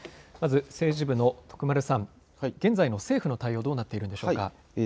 まず政治部の徳丸さん、現在の政府の対応、どうなっているのでしょうか。